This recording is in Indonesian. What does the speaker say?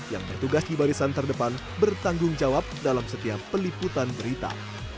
yang bertugas di barisan terdepan bertanggung jawab dalam setiap peliputan berita